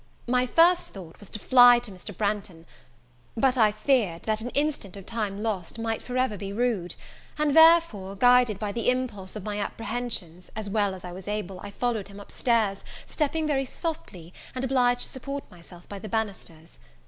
My first thought was to fly to Mr. Branghton; but I feared, that an instant of time lost might for ever be rued; and, therefore, guided by the impulse of my apprehensions, as well as I was able I followed him up stairs, stepping very softly, and obliged to support myself by the banisters.